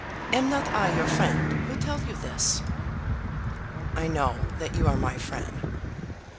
Am not I your friend who tell you this?" "I know that you are my friend."